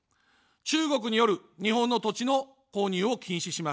中国による日本の土地の購入を禁止します。